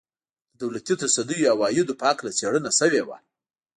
د دولتي تصدیو عوایدو په هکله څېړنه شوې وه.